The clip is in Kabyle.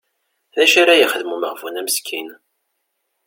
D acu ara yexdem umeɣbun-a meskin?